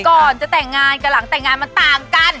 ก่อนจะแต่งงานกับหลังแต่งงานมันต่างกัน